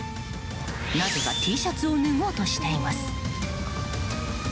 なぜかＴシャツを脱ごうとしています。